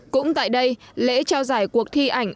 cũng tại đây lễ trao giải cuộc thi ảnh